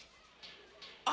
あ。